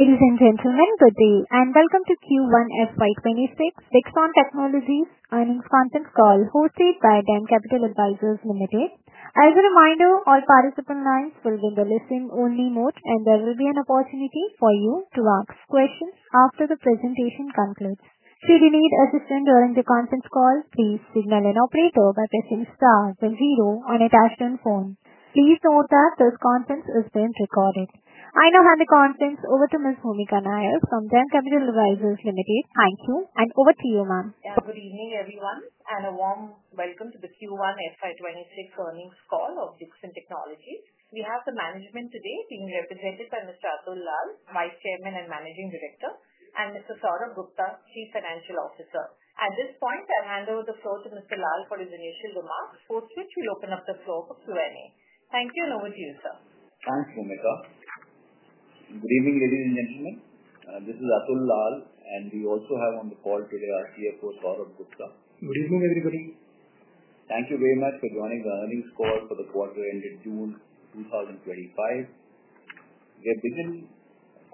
Ladies and gentlemen, good day, and welcome to Q1FY26 Dixon Technologies Earnings Conference Call hosted by DAM Capital Advisors Limited. As a reminder, all participant lines will be in the listen-only mode, and there will be an opportunity for you to ask questions after the presentation concludes. Should you need assistance during the conference call, please signal an operator by pressing star and zero on a dashboard phone. Please note that this conference is being recorded. I now hand the conference over to Ms. Bhoomika Nair from DAM Capital Advisors Limited. Thank you, and over to you, ma'am. Good evening, everyone, and a warm welcome to the Q1FY26 earnings call of Dixon Technologies. We have the management today being represented by Mr. Atul Lall, Vice Chairman and Managing Director, and Mr. Saurabh Gupta, Chief Financial Officer. At this point, I'll hand over the floor to Mr. Lall for his initial remarks, post which we'll open up the floor for Q&A. Thank you, and over to you, sir. Thanks, Bhoomika. Good evening, ladies and gentlemen. This is Atul Lall, and we also have on the call today our CFO, Saurabh Gupta. Good evening, everybody. Thank you very much for joining the earnings call for the quarter-end of June 2025. We have begun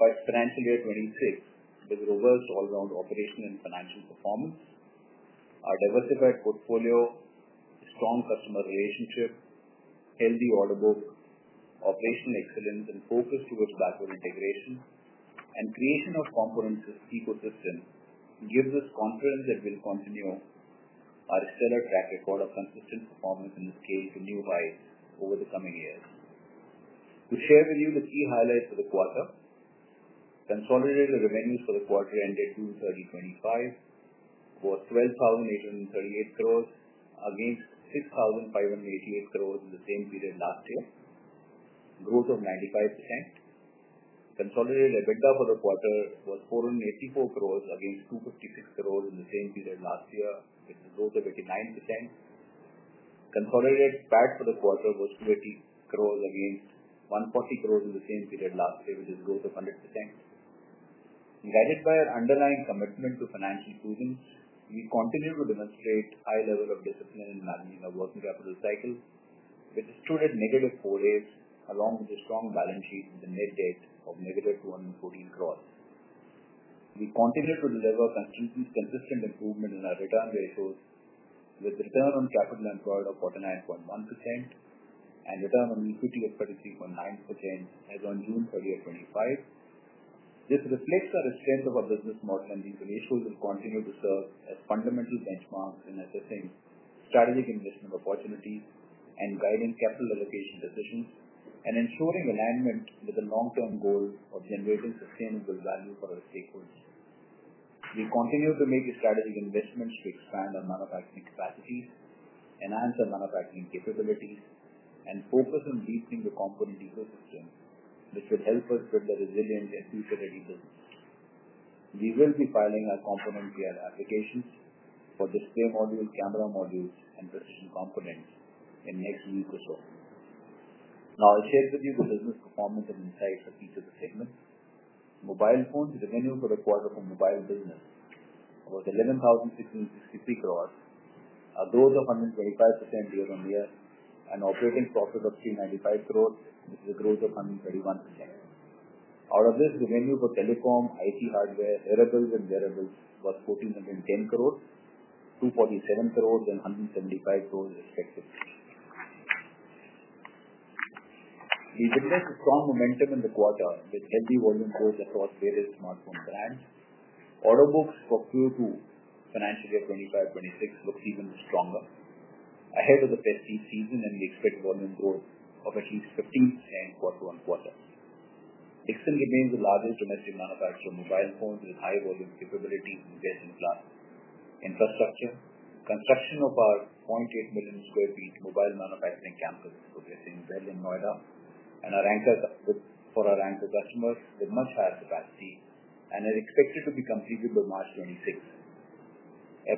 our financial year 2026 with robust all-around operational and financial performance. Our diversified portfolio, strong customer relationship, healthy order book, operational excellence, and focus towards backward integration and creation of components ecosystem give us confidence that we'll continue our stellar track record of consistent performance and scale to new heights over the coming years. To share with you the key highlights for the quarter, consolidated revenues for the quarter-end of June 30, 2025, was 12,838 crore against 6,588 crore in the same period last year, growth of 95%. Consolidated EBITDA for the quarter was 484 crore against 256 crore in the same period last year, with a growth of 89%. Consolidated PAT for the quarter was 280 crore against 140 crore in the same period last year, with a growth of 100%. Guided by our underlying commitment to financial improvements, we continue to demonstrate a high level of discipline in managing our working capital cycle, which stood at negative four days along with a strong balance sheet with a net debt of negative 214 crore. We continue to deliver consistent improvement in our return ratios, with return on capital employed of 49.1% and return on equity of 33.9% as of June 30, 2025. This reflects our strength of our business model, and these ratios will continue to serve as fundamental benchmarks in assessing strategic investment opportunities and guiding capital allocation decisions, and ensuring alignment with the long-term goal of generating sustainable value for our stakeholders. We continue to make strategic investments to expand our manufacturing capacities, enhance our manufacturing capabilities, and focus on deepening the component ecosystem, which will help us build a resilient and future-ready business. We will be filing our component PLI applications for display modules, camera modules, and precision components in the next week or so. Now, I'll share with you the business performance and insights of each of the segments. Mobile phone revenue for the quarter for mobile business was 11,663 crore, a growth of 125% year-on-year, and operating profit of 395 crore, which is a growth of 131%. Out of this, revenue for telecom, IT hardware, wearables, and wearables was 1,410 crore, 247 crore, and 175 crore respectively. We witnessed strong momentum in the quarter with healthy volume growth across various smartphone brands. Order books for Q2, financial year 2025-2026, look even stronger. Ahead of the festive season, we expect volume growth of at least 15% quarter-on-quarter. Dixon remains the largest domestic manufacturer of mobile phones with high-volume capabilities in the basic infrastructure. Construction of our 0.8 million sq ft mobile manufacturing campus is progressing well in Noida, and our anchor customers with much higher capacity is expected to be completed by March 2026.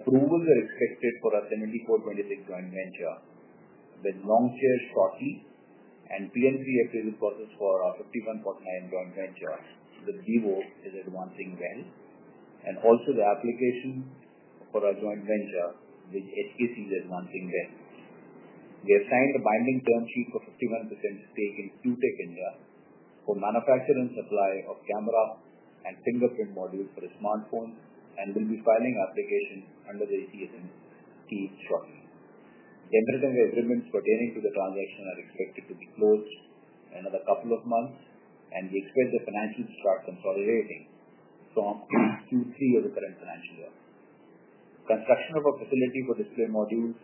Approvals are expected for our 74:26 joint venture with Longcheer shortly and PLI appraisal process for our 51:49 joint venture. The Vivo is advancing well, and also the application for our joint venture with HKC is advancing well. We have signed a binding term sheet for 51% stake in QTech India for manufacture and supply of camera and fingerprint modules for smartphones and will be filing applications under the CSMC shortly. The interim agreements pertaining to the transaction are expected to be closed in another couple of months, and we expect the financials to start consolidating from Q3 of the current financial year. Construction of a facility for display modules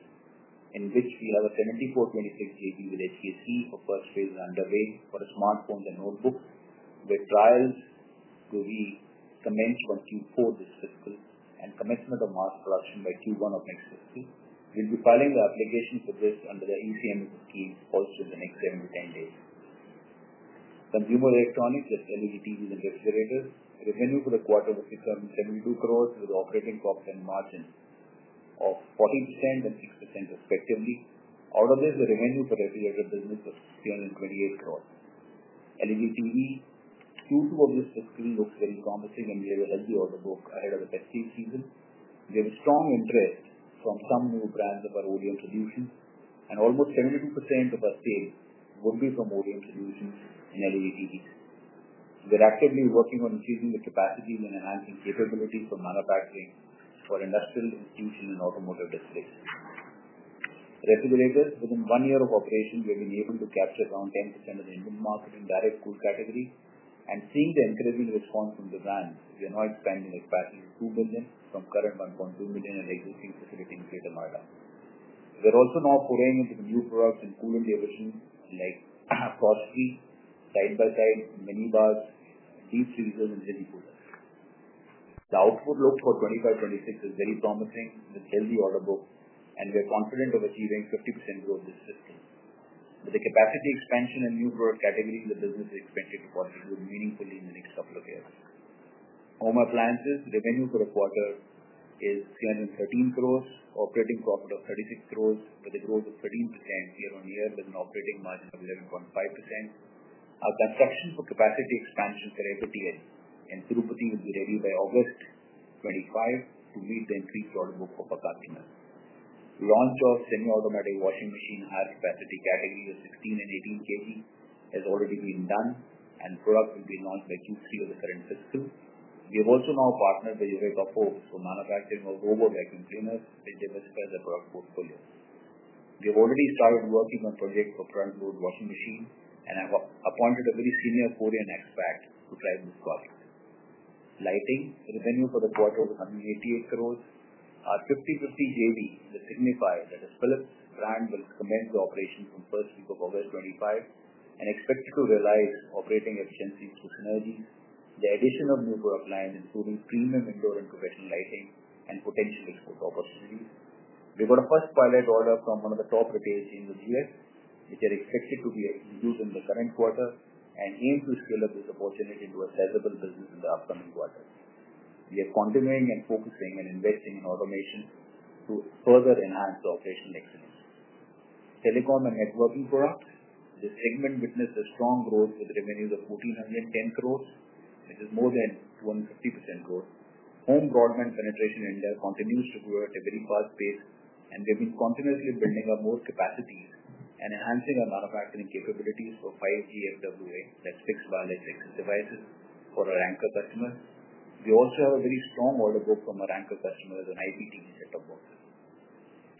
in which we have a 74:26 JV with HKC for first phase is underway for smartphones and notebooks, with trials to be commenced by Q4 this fiscal and commencement of mass production by Q1 of next fiscal. We'll be filing the application for this under the ECMS scheme posted in the next 7-10 days. Consumer electronics, like LED TVs and refrigerators, revenue for the quarter was 672 crore with operating profit and margin of 40 crore and 6% respectively. Out of this, the revenue per refrigerator business was 628 crore. LED TV. Q2 of this fiscal year looks very promising, and we have a healthy order book ahead of the festive season. We have a strong interest from some new brands of our OEM solutions, and almost 72% of our sales would be from OEM solutions in LED TVs. We're actively working on increasing the capacities and enhancing capabilities for manufacturing for industrial institutions and automotive displays. Refrigerators, within one year of operation, we have been able to capture around 10% of the Indian market in direct cool category, and seeing the increasing response from the brands, we are now expanding capacity to 2 million from current 1.2 million at existing facility in Greater Noida. We're also now pouring into the new products in cool and deep fridge like Frost Free, Side by Side, Mini Bars, Deep Freezers, and Mini Coolers. The outlook for 2025-2026 is very promising with healthy order books, and we are confident of achieving 50% growth this fiscal. With the capacity expansion and new product categories, the business is expected to continue meaningfully in the next couple of years. Home appliances, revenue for the quarter is 313 crore, operating profit of 36 crore, with a growth of 13% year-on-year with an operating margin of 11.5%. Our construction for capacity expansion for FATL in Tirupati will be ready by August 2025 to meet the increased order book for per capita. Launch of semi-automatic washing machine higher capacity category of 16 kg and 18 kg has already been done, and product will be launched by Q3 of the current fiscal. We have also now partnered with UVECO Foods for manufacturing of robot vacuum cleaners with diversified product portfolios. We have already started working on projects for front-load washing machines, and I've appointed a very senior Korean expert to drive this project. Lighting, revenue for the quarter was 188 crore. Our 50:50 JV with Signify for the Philips brand will commence the operation from the first week of August 2025 and expect to realize operating efficiencies with synergies, the addition of new product lines including premium indoor and professional lighting, and potential exposure opportunities. We got a first pilot order from one of the top retail chains in the U.S., which are expected to be used in the current quarter and aim to scale up this opportunity into a sizable business in the upcoming quarter. We are continuing and focusing and investing in automation to further enhance the operational excellence. Telecom and networking products, this segment witnessed a strong growth with revenues of 1,410 crore, which is more than 250% growth. Home broadband penetration in India continues to grow at a very fast pace, and we have been continuously building our more capacities and enhancing our manufacturing capabilities for 5G FWA, that's fixed wireless access devices for our anchor customers. We also have a very strong order book from our anchor customers and IPTV set-top boxes.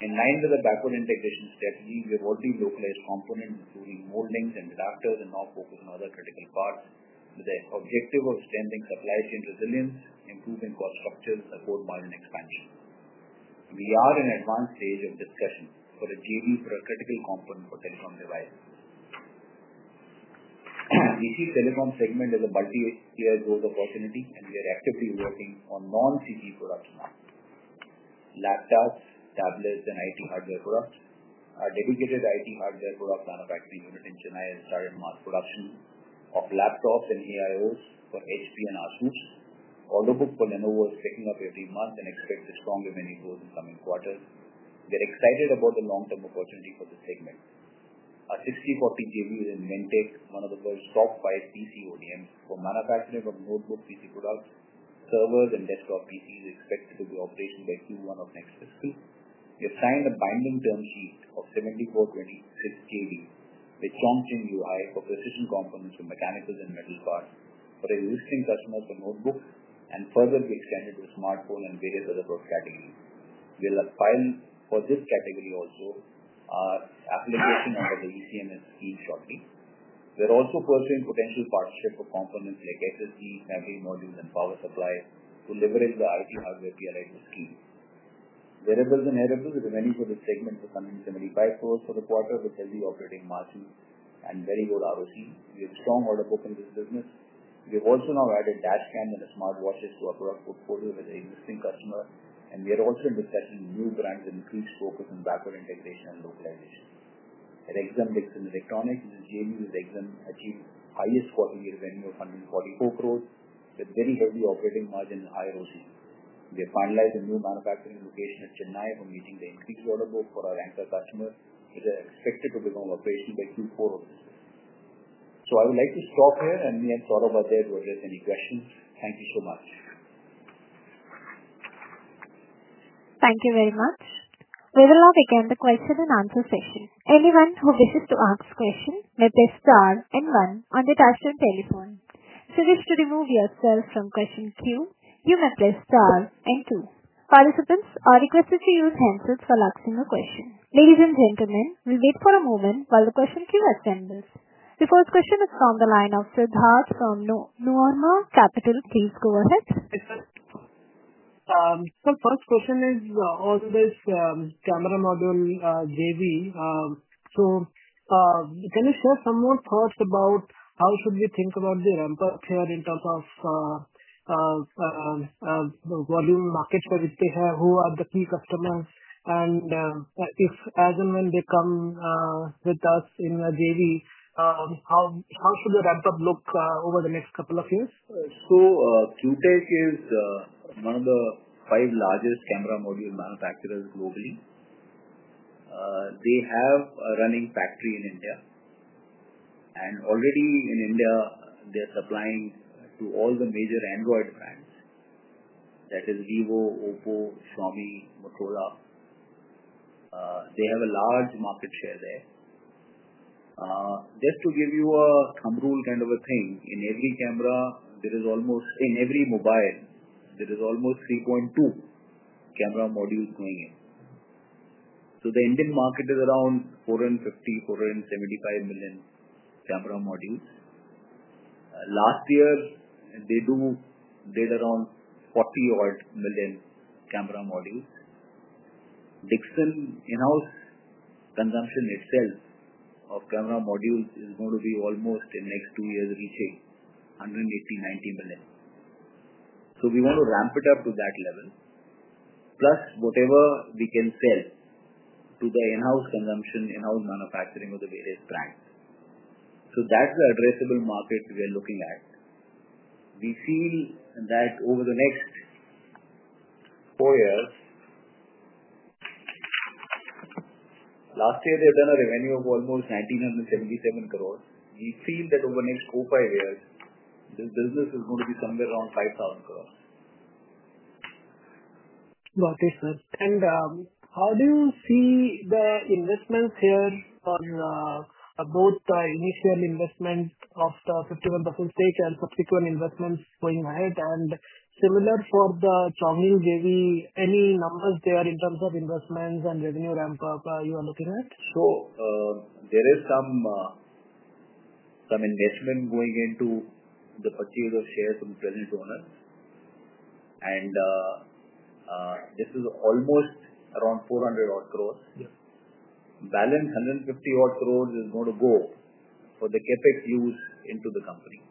In line with our backward integration strategy, we have already localized components including moldings and reductors and now focus on other critical parts with the objective of strengthening supply chain resilience, improving cost structures, and afford modern expansion. We are in an advanced stage of discussion for a JV for a critical component for telecom devices. We see telecom segment as a multi-year growth opportunity, and we are actively working on non-CG products now. Laptops, tablets, and IT hardware products. Our dedicated IT hardware product manufacturing unit in Chennai has started mass production of laptops and AIOs for HP and Asus. Order book for Lenovo is picking up every month, and expect a strong revenue growth in the coming quarter. We are excited about the long-term opportunity for this segment. Our 60:40 JV is in Inventec, one of the world's top five PC ODMs for manufacturing of notebook PC products, servers, and desktop PCs expected to be operational by Q1 of next fiscal. We have signed a binding term sheet of 74:26 JV with Chongqing UI for precision components for mechanicals and metal parts for existing customers for notebooks and further be extended to smartphone and various other product categories. We will file for this category also. Our application under the ECMS scheme shortly. We are also pursuing potential partnership for components like SSD, memory modules, and power supply to leverage the IT hardware PLI scheme. Wearables and wearables, revenue for this segment was 175 crore for the quarter with healthy operating margins and very good ROCE. We have strong order book in this business. We have also now added dashcams and smart watches to our product portfolio with an existing customer, and we are also in discussion with new brands and increased focus on backward integration and localization. At Exxon Dixon Electronics, this is JV with Exxon achieved highest quarterly revenue of 144 crore with very heavy operating margin and high ROCE. We have finalized a new manufacturing location at Chennai for meeting the increased order book for our anchor customer, which is expected to become operational by Q4 of this fiscal. I would like to stop here, and we have thought about that to address any questions. Thank you so much. Thank you very much. We will now begin the question and answer session. Anyone who wishes to ask a question may press star and one on the touchscreen telephone. To remove yourself from the question queue, you may press star and two. Participants are requested to use handsets while asking a question. Ladies and gentlemen, we'll wait for a moment while the question queue assembles. The first question is from the line of Siddharth from Norma Capital. Please go ahead. Sir, first question is all about camera module JV. Can you share some more thoughts about how should we think about the ramp-up here in terms of volume markets that we have? Who are the key customers? If, as and when they come with us in a JV, how should the ramp-up look over the next couple of years? QTech is one of the five largest camera module manufacturers globally. They have a running factory in India. Already in India, they're supplying to all the major Android brands. That is Vivo, Oppo, Xiaomi, Motorola. They have a large market share there. Just to give you a thumb rule kind of a thing, in every camera, there is almost in every mobile, there is almost 3.2 camera modules going in. The Indian market is around 450 million-475 million camera modules. Last year, they did around 40 million camera modules. Dixon in-house consumption itself of camera modules is going to be almost in the next two years reaching 180 million-190 million. We want to ramp it up to that level. Plus whatever we can sell to the in-house consumption, in-house manufacturing of the various brands. That's the addressable market we are looking at. We feel that over the next four years. Last year, they had done a revenue of almost 1,977 crore. We feel that over the next four-five years, this business is going to be somewhere around 5,000 crore. Got it, sir. How do you see the investments here on, both the initial investment of the 51% stake and subsequent investments going ahead? Similar for the Chongqing JV, any numbers there in terms of investments and revenue ramp-up you are looking at? There is some investment going into the purchase of shares from present owners. This is almost around 400 crore. Balance 150 crore is going to go for the CapEx use into the company.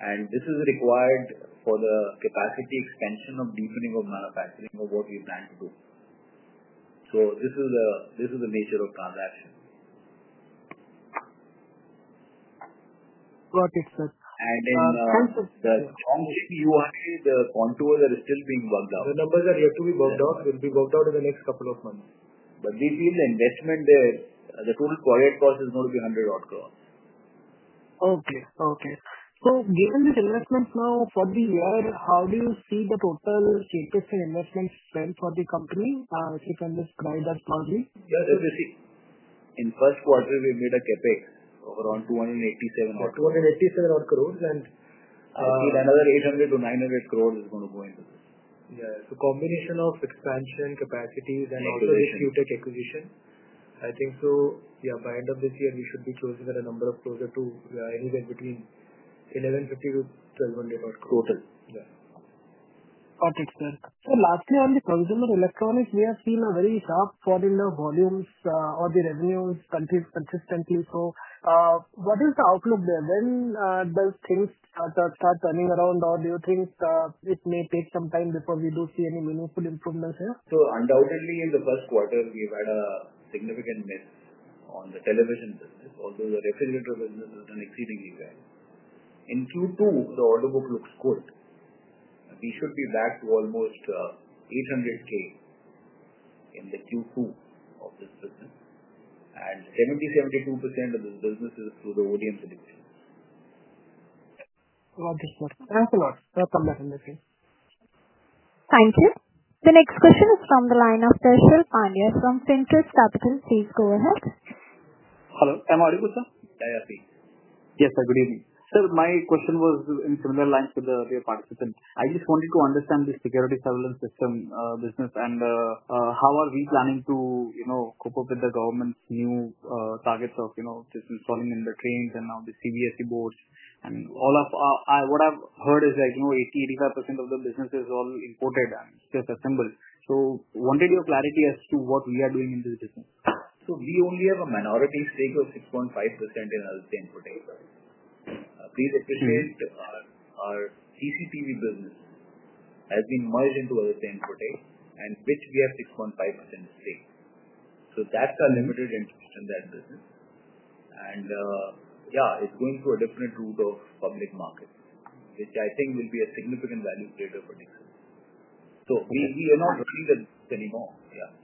This is required for the capacity expansion of deepening of manufacturing of what we plan to do. This is the nature of transaction. Got it, sir. And in. Sense. The Chongqing UI, the contours are still being worked out. The numbers are yet to be worked out. They'll be worked out in the next couple of months. We feel the investment there, the total project cost is going to be 100 crore. Okay. Okay. So given these investments now for the year, how do you see the total CapEx and investment spend for the company? If you can describe that for me. Yes, as you see. In first quarter, we made a CapEx of around 287 crore. Around 287 crore, and. I feel another 800 crore-900 crore is going to go into this. Yeah. Combination of expansion capacities and also this QTech acquisition. I think so, yeah, by end of this year, we should be closing at a number of closer to anywhere between 1,150 crore-1,200 crore. Total. Yeah. Got it, sir. Lastly, on the consumer electronics, we have seen a very sharp fall in the volumes or the revenues consistently. What is the outlook there? When do things start turning around, or do you think it may take some time before we do see any meaningful improvements here? Undoubtedly, in the first quarter, we've had a significant miss on the television business, although the refrigerator business has been exceedingly well. In Q2, the order book looks good. We should be back to almost 800,000 crore in Q2 of this business. And 70%-72% of this business is through the ODM solutions. Got it, sir. Thanks a lot. Welcome back, Mr. Lall. Thank you. The next question is from the line of Darshil Pandya from Finterest Capital. Please go ahead. Hello, am I audible sir. [IRC]. Yes, sir. Good evening. Sir, my question was in similar lines to the other participants. I just wanted to understand the security surveillance system business, and how are we planning to cope with the government's new targets of just installing in the trains and now the CVSE boards? All of what I've heard is like 80%-85% of the business is all imported and just assembled. Wanted your clarity as to what we are doing in this business. We only have a minority stake of 6.5% in Aditya Input AI. Please appreciate our CCTV business has been merged into Aditya Input AI, in which we have a 6.5% stake. That is our limited interest in that business. Yeah, it is going through a different route of public market, which I think will be a significant value creator for Dixon. We are not running the business anymore. Yeah.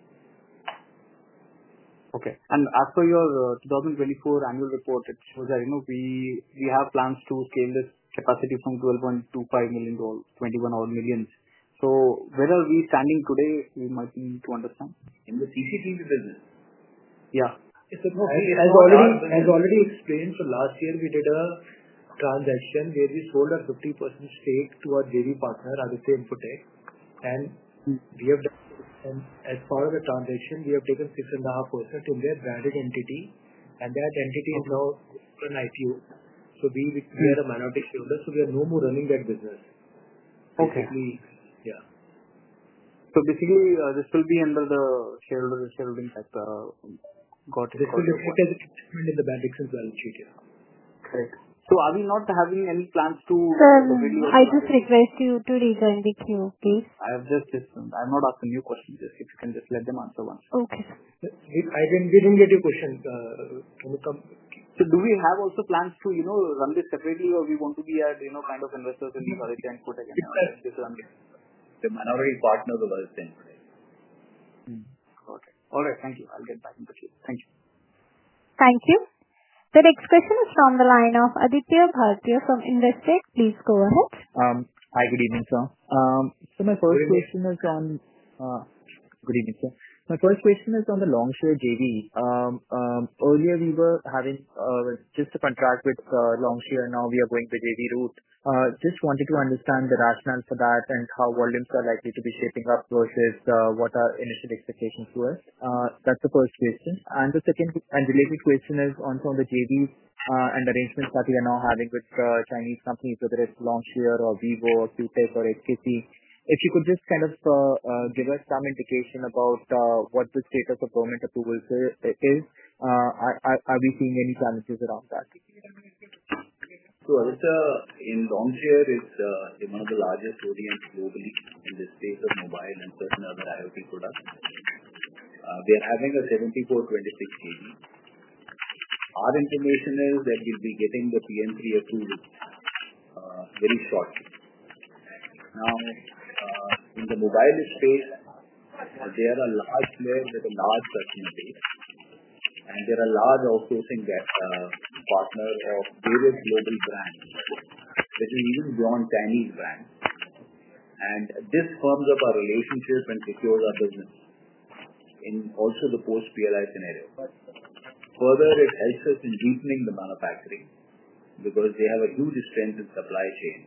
Okay. As per your 2024 annual report, it shows that we have plans to scale this capacity from 12.25 million to 21 odd million. Where are we standing today, we might need to understand. In the CCTV business? Yeah. It's already explained. Last year, we did a transaction where we sold our 50% stake to our JV partner, Aditya Input AI. As part of the transaction, we have taken 6.5% in their branded entity, and that entity is now an IPO. We are a minority shareholder, so we are no more running that business. Yeah. Basically, this will be under the shareholder shareholding factor. Got it. This will look like as an investment in the Dixon's balance sheet. Yeah. Correct. Are we not having any plans to really? Sir, I just request you to rejoin the queue, please. I have just listened. I'm not asking new questions. If you can just let them answer once. Okay. We didn't get your question. Do we have also plans to run this separately, or we want to be kind of investors in this Adalta Input AI? The minority partners of Adalta Input AI. Got it. All right. Thank you. I'll get back in the queue. Thank you. Thank you. The next question is from the line of Aditya Bhartia from Investec. Please go ahead. Hi, good evening, sir. My first question is on. Good evening, sir. My first question is on the Longcheer JV. Earlier, we were having just a contract with Longcheer. Now we are going the JV route. Just wanted to understand the rationale for that and how volumes are likely to be shaping up versus what our initial expectations were. That's the first question. The second and related question is also on the JV and arrangements that we are now having with Chinese companies, whether it's Longcheer or Vivo or QTech or HKC. If you could just kind of give us some indication about what the status of government approvals is. Are we seeing any challenges around that? In Longcheer, it's one of the largest ODMs globally in the space of mobile and certain other IoT products. We are having a 74:26 JV. Our information is that we'll be getting the PM3 approved very shortly. Now, in the mobile space, they are a large player with a large customer base, and they're a large outsourcing partner of various global brands, which is even beyond Chinese brands. This firms up our relationship and secures our business in also the post-PLI scenario. Further, it helps us in deepening the manufacturing because they have a huge strength in supply chain,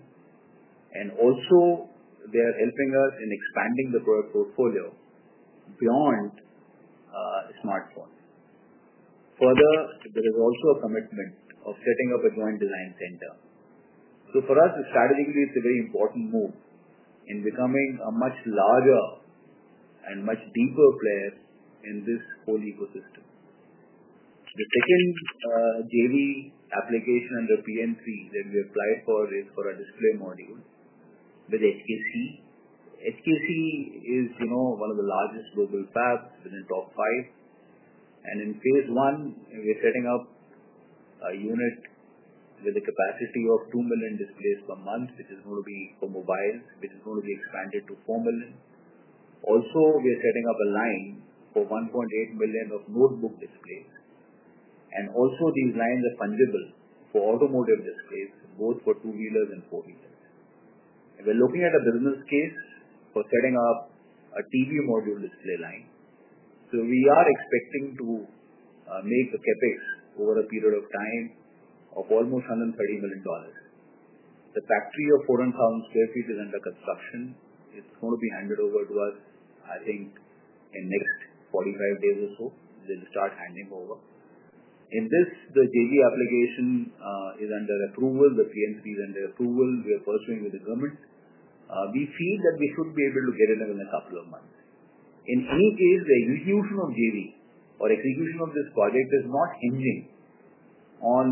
and also, they are helping us in expanding the product portfolio beyond smartphones. Further, there is also a commitment of setting up a joint design center. For us, strategically, it's a very important move in becoming a much larger and much deeper player in this whole ecosystem. The second JV application under PM3 that we applied for is for a display module with HKC. HKC is one of the largest global fabs within the top five, and in phase one, we're setting up a unit with a capacity of 2 million displays per month, which is going to be for mobiles, which is going to be expanded to 4 million. Also, we're setting up a line for 1.8 million of notebook displays, and also, these lines are fungible for automotive displays, both for two-wheelers and four-wheelers. We're looking at a business case for setting up a TV module display line. We are expecting to make the CapEx over a period of time of almost $130 million. The factory of 400,000 sq ft is under construction. It's going to be handed over to us, I think, in the next 45 days or so. They'll start handing over. In this, the JV application is under approval. The PM3 is under approval. We are pursuing with the government. We feel that we should be able to get it within a couple of months. In any case, the execution of JV or execution of this project is not hinging on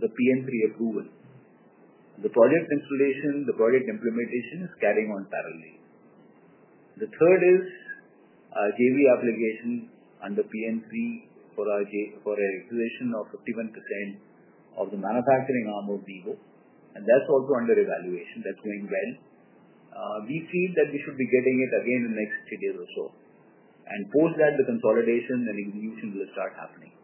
the PM3 approval. The project installation, the project implementation is carrying on parallelly. The third is JV application under PM3 for a requisition of 51% of the manufacturing arm of Vivo, and that's also under evaluation. That's going well. We feel that we should be getting it again in the next two days or so, and post that, the consolidation and execution will start happening.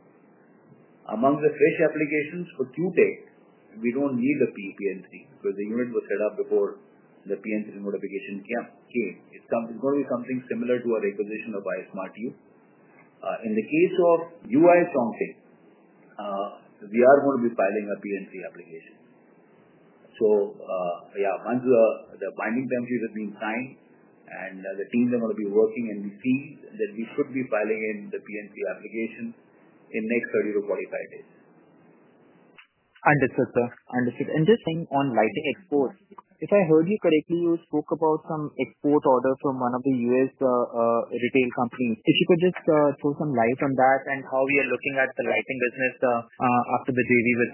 Among the fresh applications for QTech, we don't need the PM3 because the unit was set up before the PM3 notification came. It's going to be something similar to a requisition of iSmartU. In the case of Chongqing UI, we are going to be filing a PM3 application. Once the binding term sheet has been signed and the teams are going to be working, we feel that we should be filing in the PM3 application in the next 30-45 days. Understood, sir. Understood. Just on lighting exports, if I heard you correctly, you spoke about some export order from one of the U.S. retail companies. If you could just throw some light on that and how we are looking at the lighting business after the JV with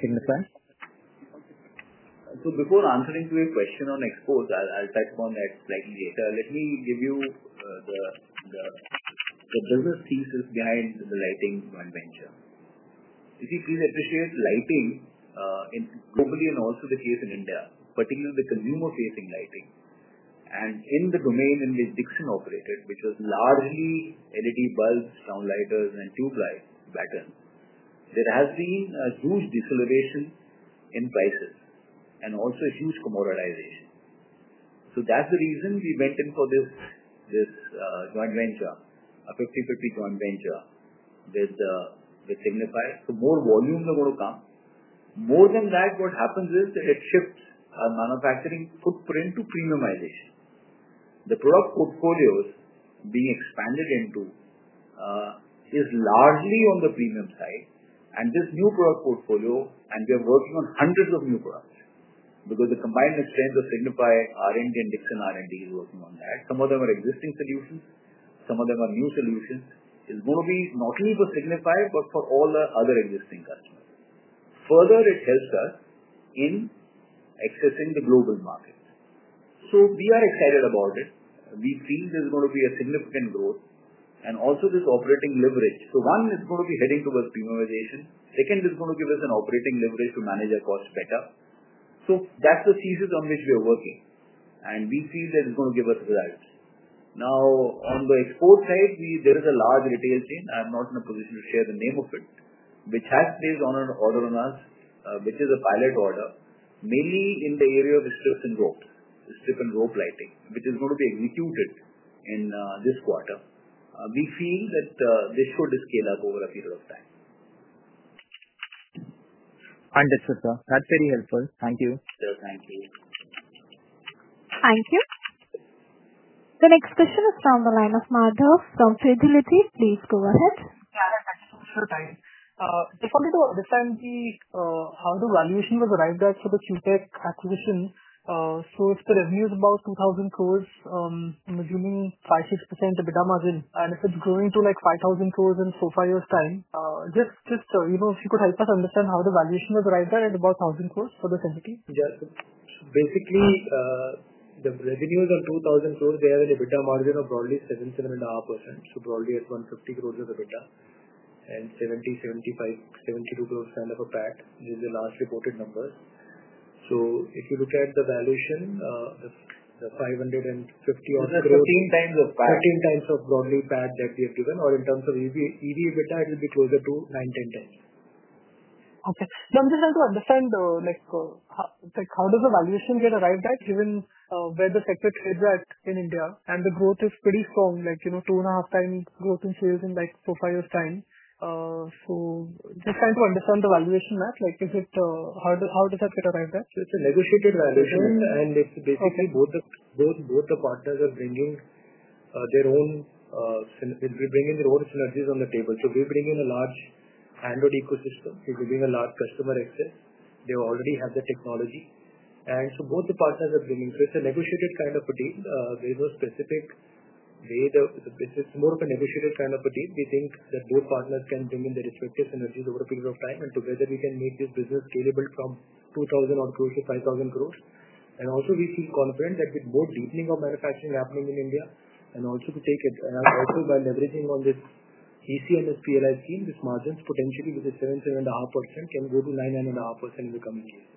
Signify. Before answering your question on exports, I'll touch upon that slightly later. Let me give you the business thesis behind the lighting joint venture. If you please appreciate, lighting is globally and also the case in India, particularly the consumer-facing lighting. In the domain in which Dixon operated, which was largely LED bulbs, downlighters, and tube light patterns, there has been a huge deceleration in prices and also huge commoditization. That is the reason we went in for this joint venture, a 50-50 joint venture with Signify. More volumes are going to come. More than that, what happens is that it shifts our manufacturing footprint to premiumization. The product portfolios being expanded into is largely on the premium side. This new product portfolio, and we are working on hundreds of new products because the combined strength of Signify R&D and Dixon R&D is working on that. Some of them are existing solutions. Some of them are new solutions. It is going to be not only for Signify, but for all the other existing customers. Further, it helps us in accessing the global market. We are excited about it. We feel there is going to be significant growth and also this operating leverage. One, it is going to be heading towards premiumization. Second, it is going to give us an operating leverage to manage our costs better. That is the thesis on which we are working, and we feel that it is going to give us results. Now, on the export side, there is a large retail chain. I am not in a position to share the name of it, which has placed an order on us, which is a pilot order, mainly in the area of strips and ropes, strip and rope lighting, which is going to be executed in this quarter. We feel that this should scale up over a period of time. Understood, sir. That's very helpful. Thank you. Sir, thank you. Thank you. The next question is from the line of Madhav from Fidelity. Please go ahead. Yeah, that's actually a good time. Just wanted to understand how the valuation was arrived at for the QTech acquisition. So if the revenue is about 2,000 crore, I'm assuming 5%-6% EBITDA margin. And if it's growing to like 5,000 crore in, so, four years' time, just if you could help us understand how the valuation was arrived at at about 1,000 crore for this entity. Yeah. So basically. The revenues are 2,000 crore. They have an EBITDA margin of broadly 7%-7.5%. So broadly at 150 crore of EBITDA and INR 70-75-72 crore kind of a PAT, which is the last reported numbers. If you look at the valuation. The INR 550-odd crore. That's 15x of PAT, 15x of broadly PAT that we have given, or in terms of EV/EBITDA, it will be closer to 9x-10x. Okay. Now, I'm just trying to understand. How does the valuation get arrived at given where the sector trades at in India? The growth is pretty strong, like two and a half times growth in sales in so far years' time. Just trying to understand the valuation map. How does that get arrived at? It's a negotiated valuation. Basically, both the partners are bringing their own synergies on the table. We're bringing a large Android ecosystem. We're bringing a large customer access. They already have the technology. Both the partners are bringing. It's a negotiated kind of a deal. There is no specific way. It's more of a negotiated kind of a deal. We think that both partners can bring in their respective synergies over a period of time, and together we can make this business scalable from 2,000 crore to 5,000 crore. We feel confident that with more deepening of manufacturing happening in India, and also by leveraging on this EC and this PLI scheme, these margins potentially with the 7%-7.5% can go to 9%-9.5% in the coming years.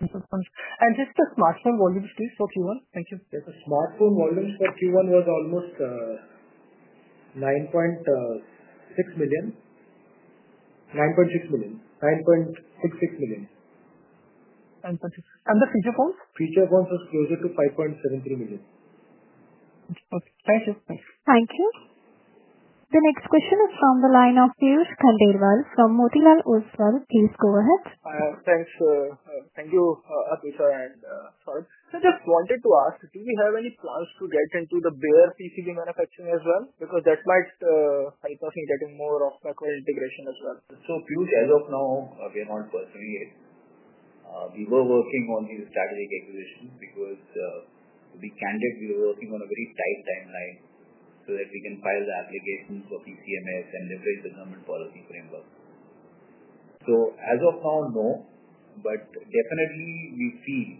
Interesting. Just the smartphone volumes, please, for Q1. Thank you. The smartphone volumes for Q1 was almost 9.6 million. 9.6 million. 9.66 million. 9.6. The feature phones? Feature phones was closer to 5.73 million. Okay. Thank you. Thank you. The next question is from the line of Piyush Khandelwal from Motilal Oswal. Please go ahead. Thanks. Thank you, Atul Lall and Saurabh. I just wanted to ask, do we have any plans to get into the bare PCB manufacturing as well? Because that might help us in getting more of macro integration as well. As of now, we are not pursuing it. We were working on these strategic acquisitions because, to be candid, we were working on a very tight timeline so that we can file the applications for ECMS and leverage the government policy framework. As of now, no. Definitely, we feel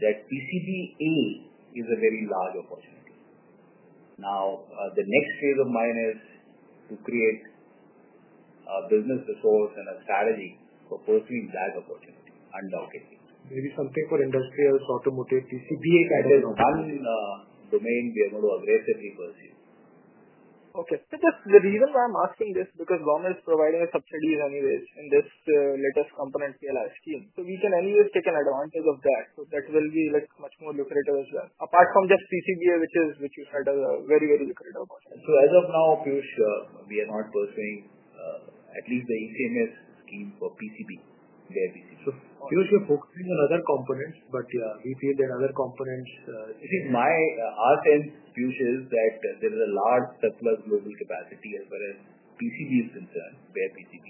that PCBA is a very large opportunity. Now, the next phase of mine is to create a business resource and a strategy for pursuing that opportunity, undoubtedly. Maybe something for industrials, automotive, PCBA kind of. One domain we are going to aggressively pursue. Okay. The reason why I'm asking this is because government is providing subsidies anyways in this latest component PLI scheme. We can anyways take an advantage of that. That will be much more lucrative as well. Apart from just PCBA, which you said is a very, very lucrative opportunity. As of now, PUSH, we are not pursuing at least the ECMS scheme for PCB, bare PCB. PUSH, you're focusing on other components, but we feel that other components. See, our sense, Push, is that there is a large surplus global capacity as far as PCB is concerned, bare PCB.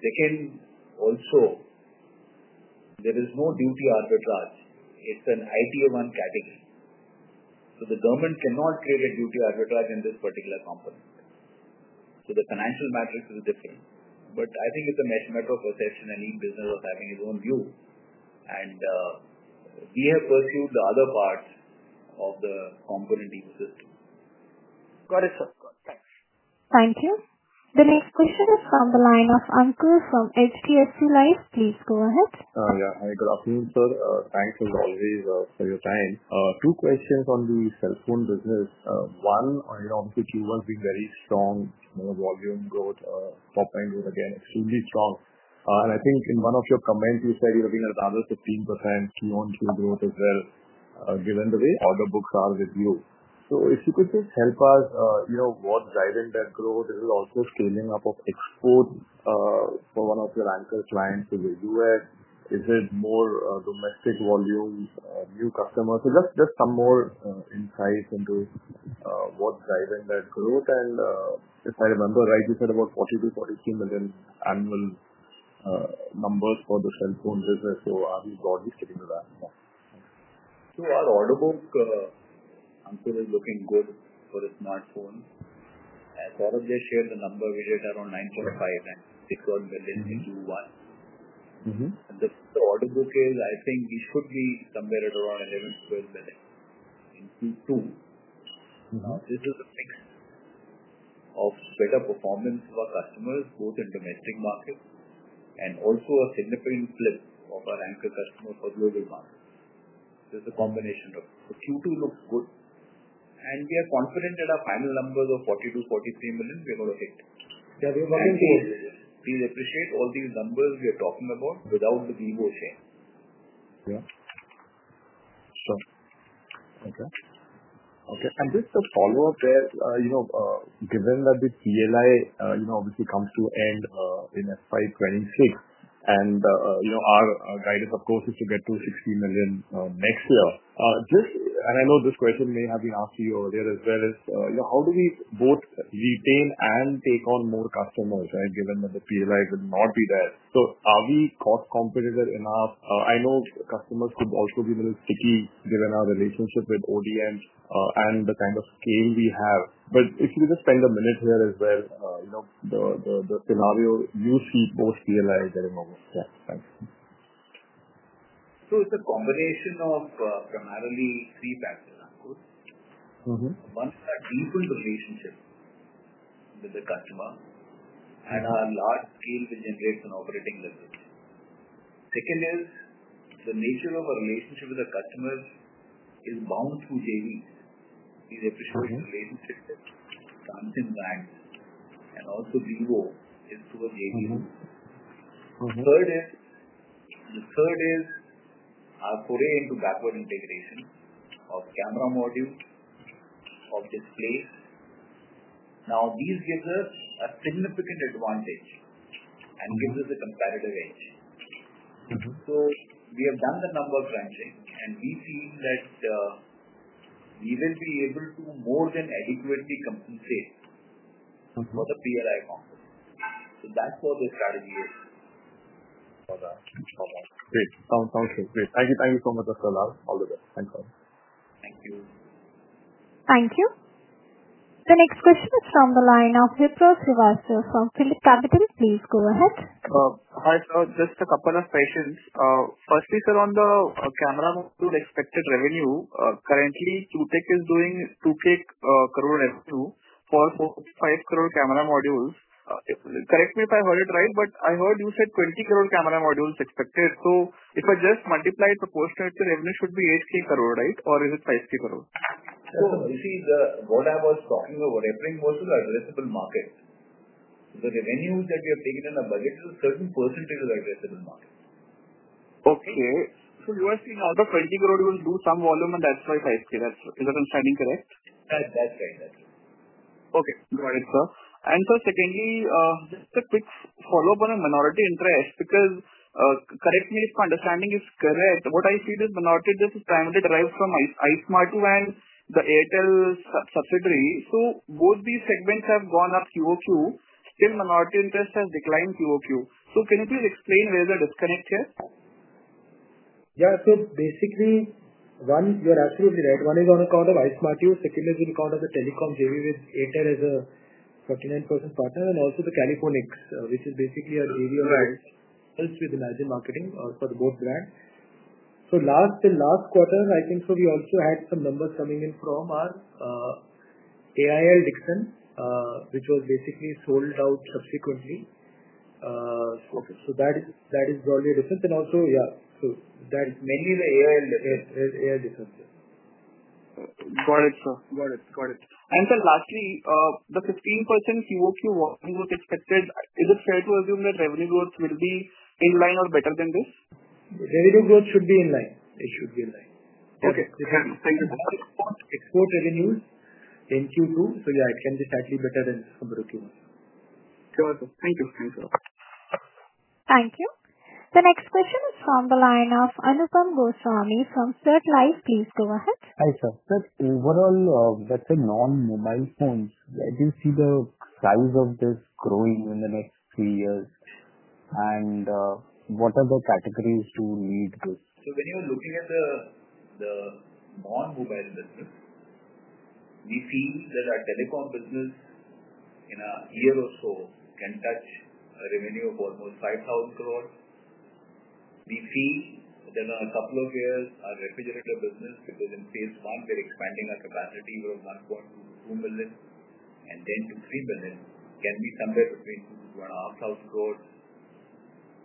Second, also, there is no duty arbitrage. It is an ITA-1 category. The government cannot create a duty arbitrage in this particular component. The financial matrix is different. I think it is a matter of perception and each business has its own view. We have pursued the other parts of the component ecosystem. Got it, sir. Thanks. Thank you. The next question is from the line of Ankur from HDFC Life. Please go ahead. Yeah. Hi, good afternoon, sir. Thanks as always for your time. Two questions on the cell phone business. One, obviously, Q1 has been very strong, more volume growth, top-line growth again, extremely strong. I think in one of your comments, you said you're looking at another 15% Q1-Q2 growth as well given the way order books are with you. If you could just help us, what's driving that growth? Is it also scaling up of exports for one of your anchor clients in the U.S.? Is it more domestic volume, new customers? Just some more insights into what's driving that growth. If I remember right, you said about 42 million-43 million annual numbers for the cell phone business. Are we broadly sticking to that? Our order book, until it's looking good for the smartphone. As Saurabh just shared the number, we did around 9.5 odd million and 6 odd million in Q1. The order book is, I think we should be somewhere at around 11 million-12 million in Q2. Now, this is a mix of better performance of our customers, both in domestic markets, and also a significant flip of our Ankur customers for global markets. It's a combination. Q2 looks good. We are confident that our final numbers of 42 million-43 million, we're going to hit. Yeah, we're working towards it. Please appreciate all these numbers we are talking about without the Vivo chain. Yeah. Sure. Okay. Okay. Just a follow-up there. Given that the PLI obviously comes to an end in FY2026, and our guidance, of course, is to get to 60 million next year. I know this question may have been asked to you earlier as well as how do we both retain and take on more customers, right, given that the PLI will not be there? Are we cost competitive enough? I know customers could also be a little sticky given our relationship with ODMs and the kind of scale we have. If you could just spend a minute here as well. The scenario you see both PLI getting over. Yeah. Thanks. It's a combination of primarily three factors, Ankur. One is our deepened relationship with the customer, and our large scale will generate an operating leverage. Second is the nature of our relationship with the customers is bound through JVs. These appreciation relationships with Samsung Brands and also Vivo is through a JV. The third is our foray into backward integration of camera modules, of displays. Now, these give us a significant advantage and give us a competitive edge. We have done the number crunching, and we feel that we will be able to more than adequately compensate for the PLI components. That's what the strategy is. For that. Okay. Great. Sounds good. Great. Thank you so much, Dr. Lall. All the best. Thanks, sir. Thank you. Thank you. The next question is from the line of [Bhoomika Nair] from Phillip Capital. Please go ahead. Hi, sir. Just a couple of questions. Firstly, sir, on the camera module expected revenue, currently QTech is doing 2,000 crore revenue for 45 crore camera modules. Correct me if I heard it right, but I heard you said 20 crore camera modules expected. If I just multiply it proportionately, revenue should be 8,000 crore, right? Or is it 5,000 crore? You see, what I was talking about, everything was in the addressable market. The revenue that we have taken in our budget is a certain percentage of the addressable market. Okay. So you are seeing out of 2 billion, you will do some volume, and that's why 5,000 crore. Is that understanding correct? That's right. That's right. Okay. Got it, sir. And sir, secondly, just a quick follow-up on a minority interest because correct me if my understanding is correct. What I see is minority interest is primarily derived from iSmartU and the Airtel subsidiary. Both these segments have gone up QOQ. Still, minority interest has declined QOQ. Can you please explain where the disconnect here? Yeah. So basically, one, you're absolutely right. One is on account of iSmartU. Second is on account of the telecom JV with Airtel as a 49% partner, and also the Caliphonix, which is basically a JV of ours with Imagine Marketing for both brands. Last quarter, I think, we also had some numbers coming in from our AIL Dixon, which was basically sold out subsequently. That is broadly a difference. And also, yeah, that is mainly the AIL difference. Got it, sir. Got it. Got it. Lastly, the 15% QOQ volume growth expected, is it fair to assume that revenue growth will be in line or better than this? Revenue growth should be in line. Okay. Thank you. Export revenues in Q2. Yeah, it can be slightly better than compared to Q1. Got it. Thank you. Thank you. Thank you. The next question is from the line of Anupam Goswami from Third Life. Please go ahead. Hi sir. Sir, overall, let's say non-mobile phones, do you see the size of this growing in the next three years? What are the categories to lead this? When you're looking at the non-mobile business, we feel that our telecom business in a year or so can touch a revenue of almost 5,000 crore. We feel that in a couple of years, our refrigerator business, because in phase one, we're expanding our capacity from 1.22 million and then to 3 million, can be somewhere between 2,000-1,500 crore.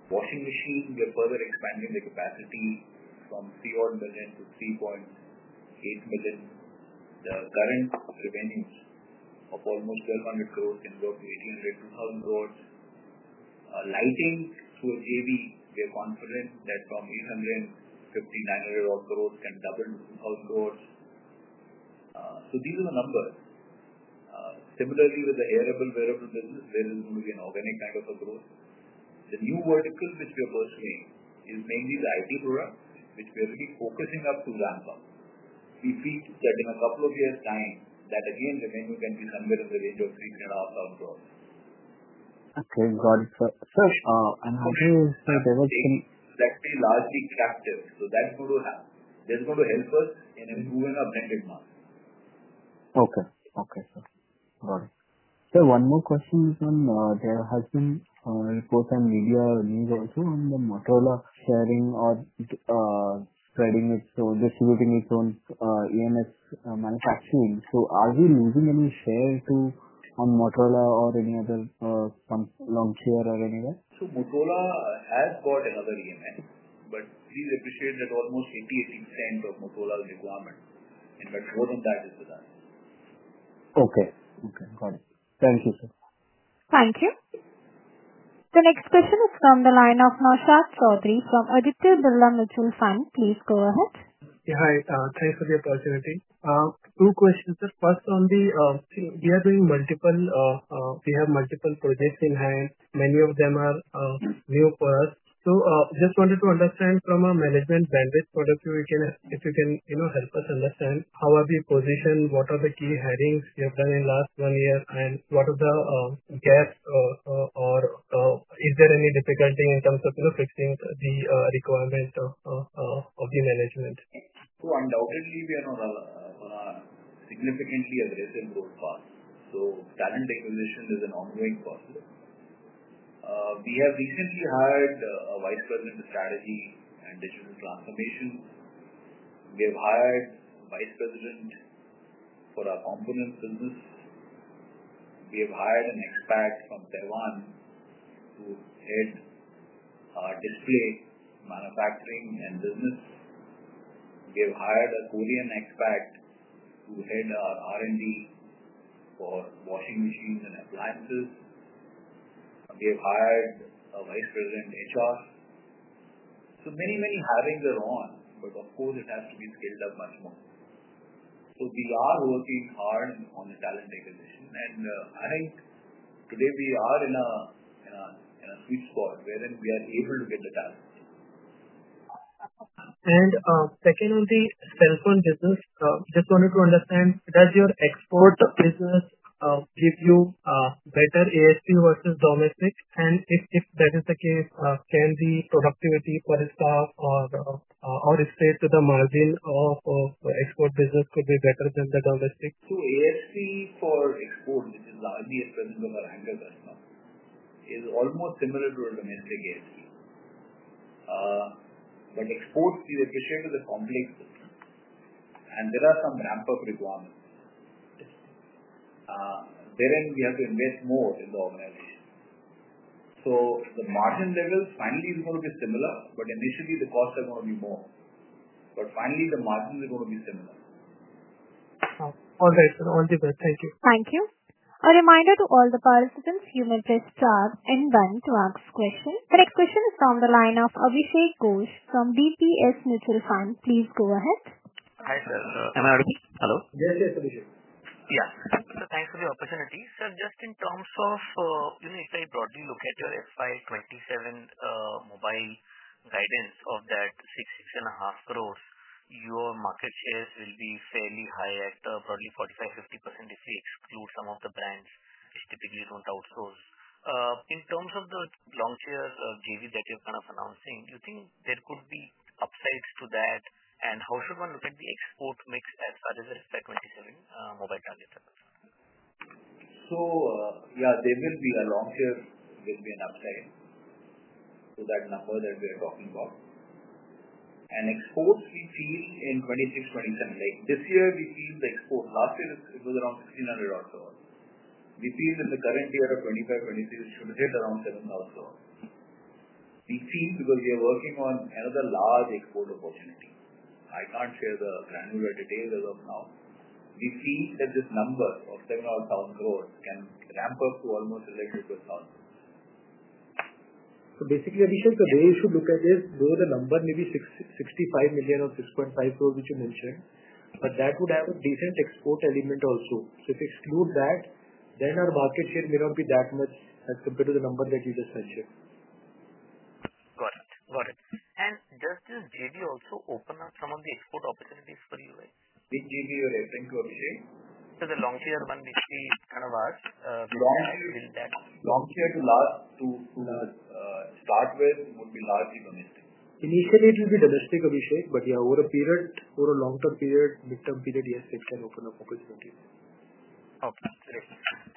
Washing machine, we are further expanding the capacity from 3 odd million to 3.8 million. The current revenues of almost 1,200 crore can go up to 1,800-2,000 crore. Lighting through a JV, we are confident that from 850-900 crore can double to 2,000 crore. These are the numbers. Similarly, with the hearable, wearable business, there is going to be an organic kind of a growth. The new vertical which we are pursuing is mainly the IT product, which we are really focusing up to grandpa. We feel that in a couple of years' time, that again, revenue can be somewhere in the range of INR 3,000-INR 3,500 crore. Okay. Got it, sir. Sir, and how do you think they will? That will be largely captive. That's going to help. That's going to help us in improving our branded mark. Okay. Okay, sir. Got it. Sir, one more question is on there has been reports and media news also on the Motorola sharing or spreading its own, distributing its own EMS manufacturing. So are we losing any share to Motorola or any other launch year or anyway? Motorola has got another EMS, but please appreciate that almost 80, 80% of Motorola's requirement. In fact, more than that is with us. Okay. Okay. Got it. Thank you, sir. Thank you. The next question is from the line of Naushad Chaudhary from Aditya Birla Mutual Fund. Please go ahead. Yeah. Hi. Thanks for the opportunity. Two questions, sir. First, on the we are doing multiple, we have multiple projects in hand. Many of them are new for us. Just wanted to understand from a management bandwidth point of view, if you can help us understand how are we positioned, what are the key headings you have done in the last one year, and what are the gaps? Or is there any difficulty in terms of fixing the requirement of the management? Undoubtedly, we are on a significantly aggressive growth path. Talent acquisition is an ongoing process. We have recently hired a Vice President of Strategy and Digital Transformation. We have hired a Vice President for our component business. We have hired an expat from Taiwan to head display manufacturing and business. We have hired a Korean expert to head our R&D for washing machines and appliances. We have hired a Vice President HR. Many, many hirings are on, but of course, it has to be scaled up much more. We are working hard on the talent acquisition. I think today we are in a sweet spot wherein we are able to get the talent. Second, on the cell phone business, just wanted to understand, does your export business give you better ASP versus domestic? And if that is the case, can the productivity for itself, or is it that the margin of export business could be better than the domestic? ASP for export, which is the RDS presence of our ranker customer, is almost similar to a domestic ASP. Exports, we appreciate, with a complex system. There are some ramp-up requirements. Therein, we have to invest more in the organization. The margin level finally is going to be similar, but initially, the costs are going to be more. Finally, the margins are going to be similar. All right, sir. All the best. Thank you. Thank you. A reminder to all the participants, you may press star and then two to ask questions. The next question is from the line of Abhishek Ghosh from DSP Mutual Fund. Please go ahead. Hi sir. Can I? Hello? Yes, yes, Abhishek. Yeah. Thanks for the opportunity. Sir, just in terms of, if I broadly look at your FY2027 mobile guidance of that 6 crore-6.5 crore, your market shares will be fairly high at probably 45%-50% if we exclude some of the brands which typically do not outsource. In terms of the Longcheer JV that you are kind of announcing, do you think there could be upsides to that? How should one look at the export mix as far as the FY2027 mobile targets are concerned? Yeah, there will be a launch year, will be an upside to that number that we are talking about. Exports, we feel in 2026-2027, this year, we feel the export last year, it was around 1,600 crore. We feel in the current year of 2025-2026, it should hit around 7,000 crore. We feel because we are working on another large export opportunity. I can't share the granular details as of now. We feel that this number of 7,000 crore can ramp up to almost 11,000-12,000 crore. Basically, Abhishek, the way you should look at it, though the number may be 65 million or 6.5 crore which you mentioned, that would have a decent export element also. If you exclude that, then our market share may not be that much as compared to the number that you just mentioned. Got it. Got it. Does this JV also open up some of the export opportunities for you guys? Which JV are you referring to, Abhishek? The launch year one, which we kind of asked. Launch year to start with would be largely domestic. Initially, it will be domestic, Abhishek, but yeah, over a period, over a long-term period, mid-term period, yes, it can open up opportunities. Okay. Great.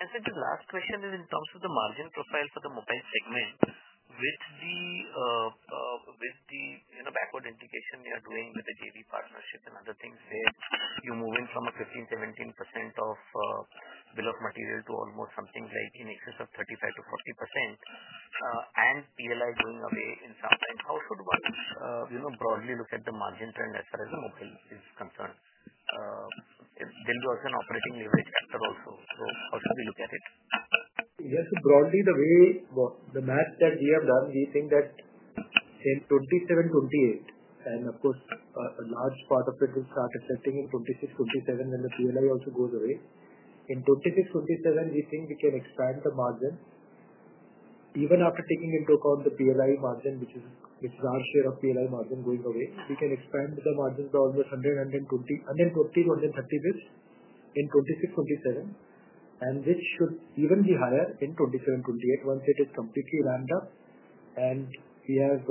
Sir, just last question is in terms of the margin profile for the mobile segment, with the backward integration you are doing with the JV partnership and other things there, you're moving from a 15%-17% of bill of material to almost something like in excess of 35%-40%. PLI going away in some way, how should one broadly look at the margin trend as far as the mobile is concerned? There will be also an operating leverage factor also. How should we look at it? Yes. So broadly, the way the math that we have done, we think that in 2027-2028, and of course, a large part of it will start reflecting in 2026-2027 when the PLI also goes away. In 2026-2027, we think we can expand the margin. Even after taking into account the PLI margin, which is our share of PLI margin going away, we can expand the margin to almost 120-130 basis points in 2026-2027. This should even be higher in 2027-2028 once it is completely ramped up. We have